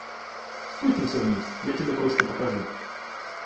Спустимся вниз, я тебе кое-что покажу.